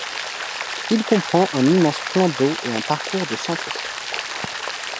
Il comprend un immense plan d'eau et un parcours de santé.